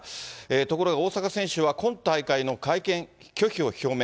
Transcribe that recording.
ところが、大坂選手は、今大会の会見拒否を表明。